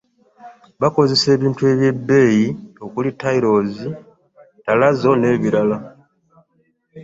Baakozesa ebintu eby'ebbeeyi okuli tayiro, tarazo n'ebirala.